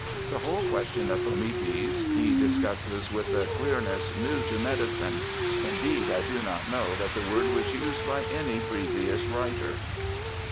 The whole question of fomites he discusses with a clearness new to medicine ; indeed I do not know that the word was used by any previous writer.